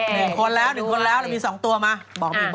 หนึ่งคนแล้วมีสองตัวบอกอีก